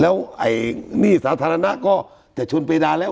แล้วนี่สาธารณะก็จะชนเปรดาแล้ว๑๐